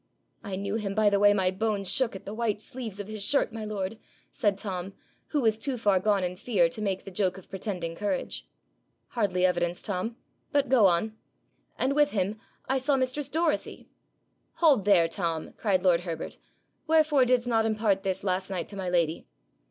'I knew him by the way my bones shook at the white sleeves of his shirt, my lord,' said Tom, who was too far gone in fear to make the joke of pretending courage. 'Hardly evidence, Tom. But go on.' 'And with him I saw mistress Dorothy ' 'Hold there, Tom!' cried lord Herbert. 'Wherefore didst not impart this last night to my lady?'